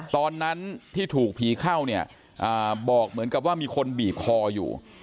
ตอนนั้นที่ถูกผีเข้าเนี่ยบอกเหมือนกับว่ามีคนบีบคออยู่